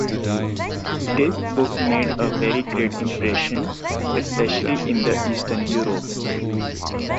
This book made a very great impression, especially in the Eastern Europe.